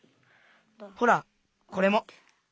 ほらこれも。